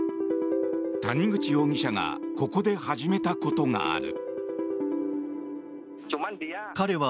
谷口容疑者がここで始めたことがある。